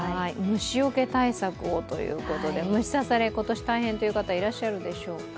虫よけ対策をということで、虫刺され、今年大変という方、いらっしゃるでしょうか。